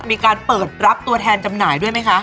มีการเปิดรับตัวแทนจำหน่ายด้วยไหมคะ